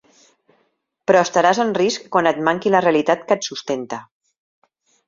Però estaràs en risc quan et manqui la realitat que et sustenta.